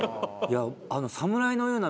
侍のような！？